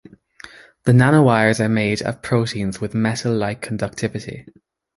The nanowires are made of proteins with metal-like conductivity.